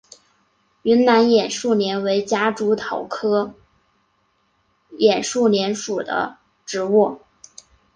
云南眼树莲为夹竹桃科眼树莲属的植物。